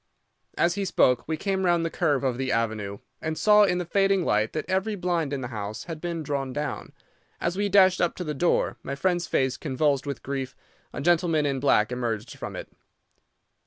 "As he spoke we came round the curve of the avenue, and saw in the fading light that every blind in the house had been drawn down. As we dashed up to the door, my friend's face convulsed with grief, a gentleman in black emerged from it.